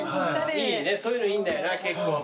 いいねそういうのいいんだよな結構。